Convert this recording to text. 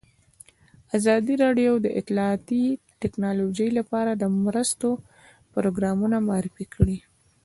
ازادي راډیو د اطلاعاتی تکنالوژي لپاره د مرستو پروګرامونه معرفي کړي.